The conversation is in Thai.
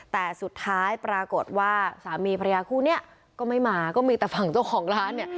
แต่สุดท้ายปรากฏว่าสามีภรรยาคู่นี้ก็ไม่มาก็มีแต่ฝั่งเจ้าของร้านเนี่ย